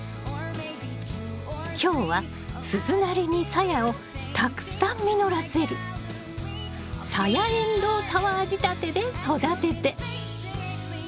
今日は鈴なりにサヤをたくさん実らせるサヤエンドウタワー仕立てで育てて。